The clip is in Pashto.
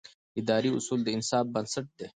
اداري اصول د انصاف بنسټ دی.